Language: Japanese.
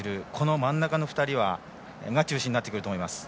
真ん中の２人が中心になってくると思います。